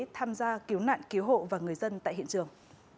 tham gia cứu nạn cứu hộ và người dân tại hiện trường